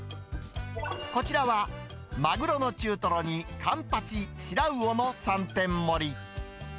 こちらは、マグロの中トロにカンパチ、シラウオの３点盛り。